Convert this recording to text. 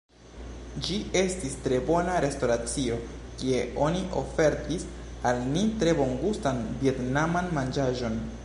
Ĝi estis tre bona restoracio, kie oni ofertis al ni tre bongustan vjetnaman manĝaĵon.